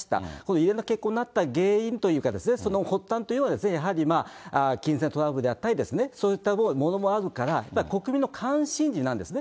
異例な結婚になった原因というか、その発端というのは、やはり金銭トラブルであったりとかですね、そういったものもあるから、やっぱり国民の関心事なんですね。